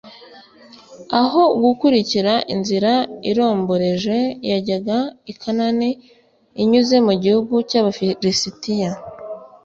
aho gukurikira inzira iromboreje yajyaga i kanani inyuze mu gihugu cy’abafilisitiya,